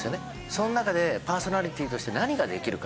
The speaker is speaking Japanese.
その中でパーソナリティーとして何ができるか。